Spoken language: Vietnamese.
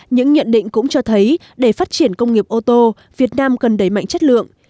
những nhận định cũng cho thấy để phát triển công nghiệp ô tô việt nam cần đẩy mạnh chất lượng